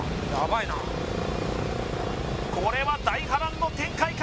これは大波乱の展開か？